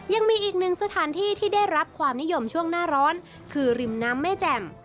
ยังมีอีกหนึ่งสถานที่ที่ได้รับความนิยมช่วงหน้าร้อนคือริมน้ำแม่แจ่ม